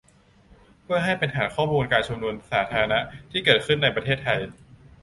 เพื่อให้เป็นฐานข้อมูลการชุมนุมสาธารณะที่เกิดขึ้นในประเทศไทย